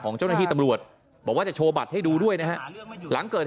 เจ้าหน้าที่ตำรวจบอกว่าจะโชว์บัตรให้ดูด้วยนะฮะหลังเกิด